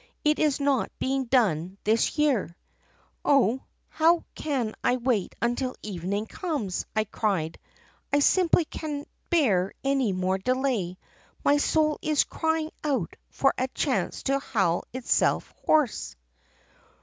It is not being done this year.' " 'Oh, how can I wait until evening comes!' I cried. 'I simply can't bear any more delay. My soul is crying out for a chance to howl itself hoarse.